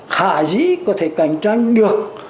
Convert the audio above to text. khả dĩ có thể cạnh tranh được